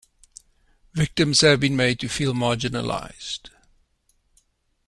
Victims have been made to feel marginalised.